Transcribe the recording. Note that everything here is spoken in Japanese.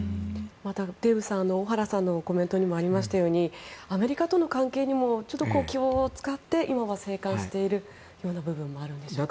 デーブさん小原さんのコメントにもありましたようにアメリカとの関係にも気を使って今は静観しているような部分もあるんでしょうかね。